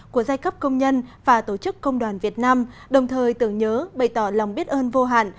của giai cấp công nhân và tổ chức công đoàn việt nam đồng thời tưởng nhớ bày tỏ lòng biết ơn vô hạn